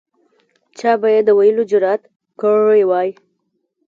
چا به یې د ویلو جرأت کړی وای.